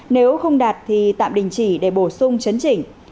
nếu không đạt thì tạm đình chỉ để bổ sung chấn chỉnh